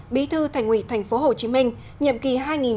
bí thư thành quỷ tp hcm nhậm ký hai nghìn một mươi hai nghìn một mươi năm